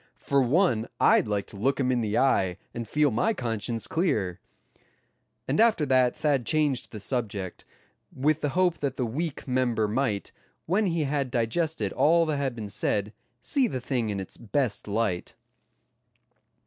For one I'd like to look him in the eye, and feel my conscience clear," and after that Thad changed the subject, with the hope that the weak member might, when he had digested all that had been said, see the thing in its best light.